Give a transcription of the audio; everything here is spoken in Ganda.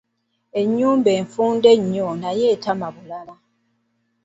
Ennyumba enfunda nayo etama bulala!